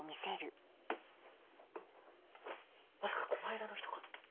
まさかこの間の人か？